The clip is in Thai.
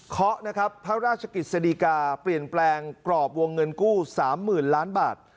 เคาะนะครับพระราชกิจสดีกาเปลี่ยนแปลงกรอบวงเงินกู้๓๐๐๐ล้านบาท